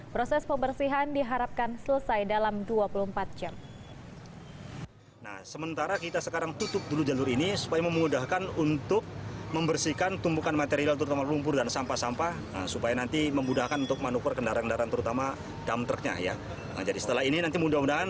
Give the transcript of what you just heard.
proses pembersihan diharapkan selesai dalam dua puluh empat jam